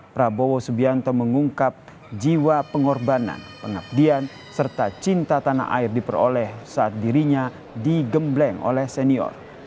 prabowo subianto mengungkap jiwa pengorbanan pengabdian serta cinta tanah air diperoleh saat dirinya digembleng oleh senior